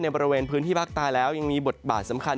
บริเวณพื้นที่ภาคใต้แล้วยังมีบทบาทสำคัญ